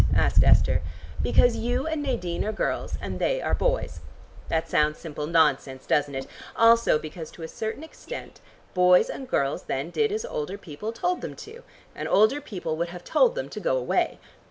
asked Esther. "Because you and Nadine are girls and they are boys. That sounds simple nonsense, doesn't it? Also because to a certain extent boys and girls then did as older people told them to, and older people would have told them to go away.